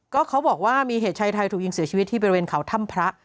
ก็เขาบอกว่ามีเหตุชายไทยถูกยิงเสียชีวิตที่บริเวณเขาถ้ำพระ